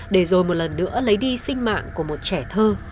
để rồi một lần nữa lấy đi sinh mạng của một trẻ thơ